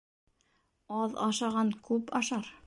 Аҙ ашаған күп ашар